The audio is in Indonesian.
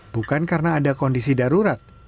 bukan karena ada kondisi darurat